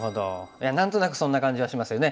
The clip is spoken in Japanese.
いや何となくそんな感じはしますよね。